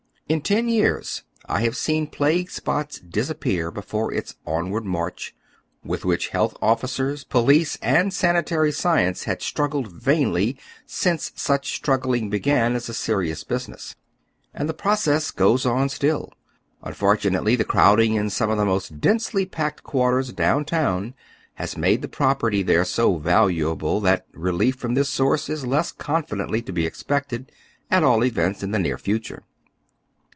In ten years I have seen plague oy Google 272 IIUW THE OTHKR HALF LIVES. spots disappear before its onward inarch, with which health officers, police, and sanitary science had struggled vainly since such struggling began as a serious business. And the process goes on still. Unfortunately, tiie crowd ing in some of the most densely packed quarters down town has made the propei'ty there so valuable, that relief from this source is less confidently to be expected, at all events in the near future.